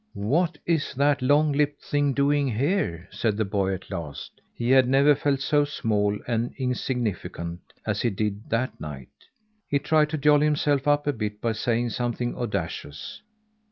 "What is that long lipped thing doing here?" said the boy at last. He had never felt so small and insignificant as he did that night. He tried to jolly himself up a bit by saying something audacious.